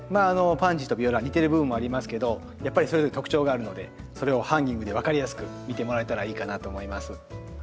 パンジーとビオラ似てる部分もありますけどやっぱりそれぞれ特徴があるのでそれをハンギングで分かりやすく見てもらえたらいいかなと思います。